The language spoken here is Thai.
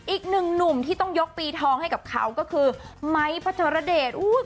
อีกนิ่งหนุ่มที่ต้องยกปีท้องให้กับเขาคือ